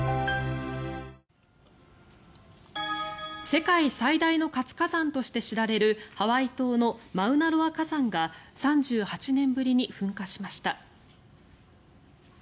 世界最大の活火山として知られるハワイ島のマウナロア火山が３８年ぶりに噴火しました。